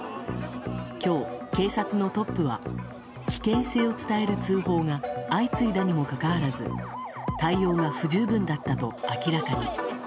今日、警察のトップは危険性を伝える通報が相次いだにもかかわらず対応が不十分だったと明らかに。